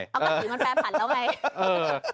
เอาปากจิ้งมันแปรผันแล้วไง